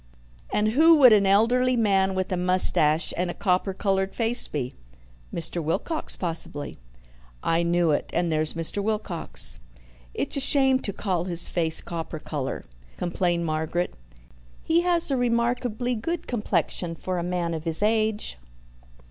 And who would an elderly man with a moustache and a copper coloured face be?" "Mr. Wilcox, possibly." "I knew it. And there's Mr. Wilcox." "It's a shame to call his face copper colour," complained Margaret. "He has a remarkably good complexion for a man of his age."